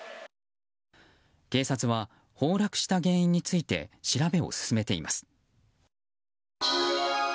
警察は崩落した原因について調べを進めています。